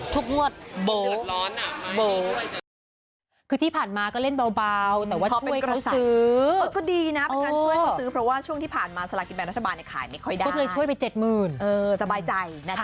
ทุกงวดเบา